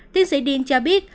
tiến sĩ tidin cho biết